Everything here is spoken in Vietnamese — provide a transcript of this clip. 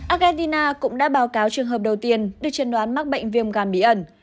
argentina cũng đã báo cáo trường hợp đầu tiên được chân đoán mắc bệnh viêm gan bí ẩn